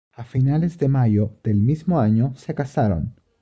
A finales de mayo del mismo año se casaron.